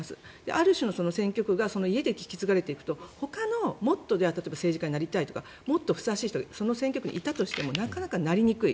ある種の選挙区が家で引き継がれていくとほかのもっと政治家になりたいとかもっとふさわしい人がその選挙区にいたとしてもなかなかなりにくい。